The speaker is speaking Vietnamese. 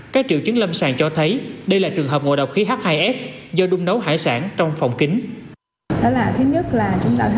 các triệu chứng lâm sàng cho thấy đây là trường hợp ngộ độc khí h hai s do đun nấu hải sản trong phòng kính